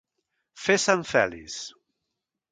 Fer Sant Fèlix.